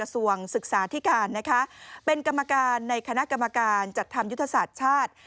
ส่วนศึกษาที่การนะคะเป็นกรรมการในคณะกรรมการจัดทำยุทธศาสตร์ชาติ